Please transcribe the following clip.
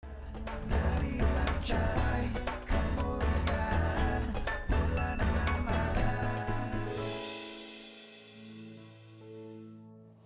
nabi acai kemuliaan bulan amalan